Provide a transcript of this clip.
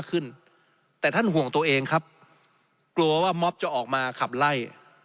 ขึ้นแต่ท่านห่วงตัวเองครับกลัวว่าม็อบจะออกมาขับไล่